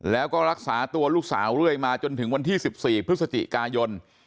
แล้วก็รักษาตัวลูกสาวเรื่อยมาจนถึงวันที่๑๔พฤศจิกายน